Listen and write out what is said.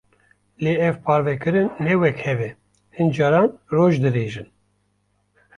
Lê ev parvekirin ne wek hev e; hin caran roj dirêj in.